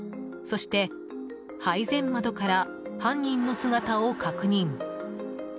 そして、配膳窓から犯人の姿を確認。